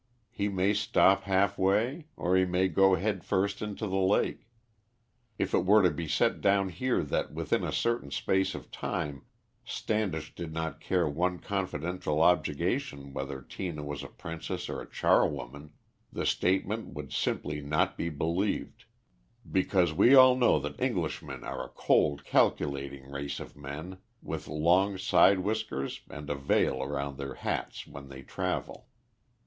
He may stop halfway, or he may go head first into the lake. If it were to be set down here that within a certain space of time Standish did not care one continental objurgation whether Tina was a princess or a char woman, the statement would simply not be believed, because we all know that Englishmen are a cold, calculating race of men, with long side whiskers and a veil round their hats when they travel.